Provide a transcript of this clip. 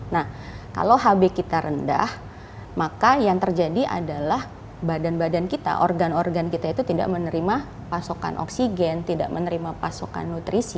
nah kalau hb kita rendah maka yang terjadi adalah badan badan kita organ organ kita itu tidak menerima pasokan oksigen tidak menerima pasokan nutrisi